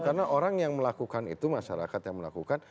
karena orang yang melakukan itu masyarakat yang melakukan